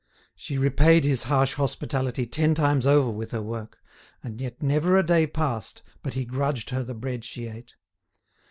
She repaid his harsh hospitality ten times over with her work, and yet never a day passed but he grudged her the bread she ate.